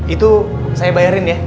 itu saya bayarin ya